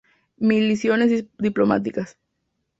Misiones diplomáticas